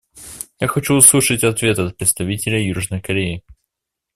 Я хочу услышать ответ от представителя Южной Кореи.